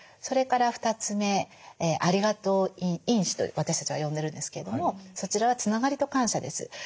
それから２つ目「ありがとう」因子と私たちは呼んでるんですけれどもそちらはつながりと感謝です。